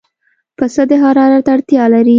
پسه د حرارت اړتیا لري.